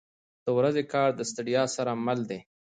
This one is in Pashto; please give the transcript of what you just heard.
• د ورځې کار د ستړیا سره مل دی.